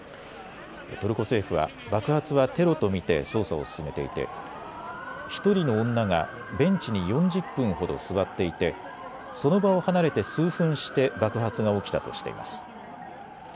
トルコ政府は爆発はテロと見て捜査を進めていて１人の女がベンチに４０分ほど座っていてその場を離れて数分して爆発が起きたとしています。